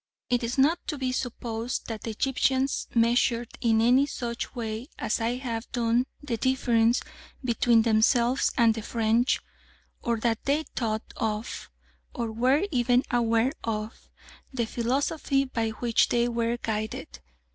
It is not to be supposed that the Egyptians measured in any such way as I have done the difference between themselves and the French, or that they thought of, or were even aware of, the philosophy by which they were guided.